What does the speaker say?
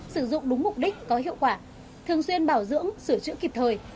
sử dụng đúng mục đích có hiệu quả thường xuyên bảo dưỡng sửa chữa kịp thời